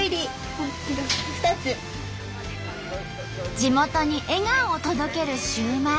地元に笑顔を届けるシューマイ。